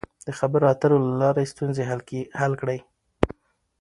د خبرو اترو له لارې ستونزې حل کړئ.